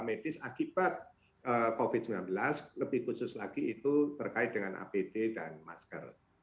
medis akibat covid sembilan belas lebih khusus lagi itu terkait dengan apd dan masker